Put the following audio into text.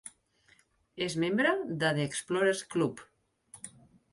És membre de The Explorers Club.